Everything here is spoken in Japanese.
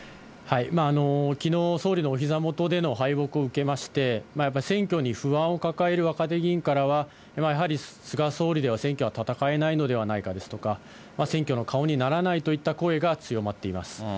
きのう、総理のおひざ元での敗北を受けまして、やっぱり選挙に不安を抱える若手議員からは、やはり菅総理では選挙は戦えないのではないかですとか、選挙の顔にならないといった声が強まっています。